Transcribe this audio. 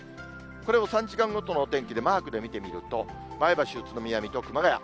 これを３時間ごとのお天気でマークで見てみると、前橋、宇都宮、水戸、熊谷。